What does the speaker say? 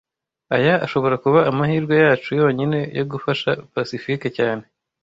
Aya ashobora kuba amahirwe yacu yonyine yo gufasha Pacifique cyane